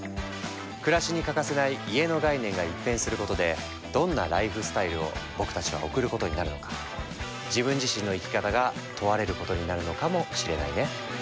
暮らしに欠かせない家の概念が一変することでどんなライフスタイルを僕たちは送ることになるのか自分自身の生き方が問われることになるのかもしれないね。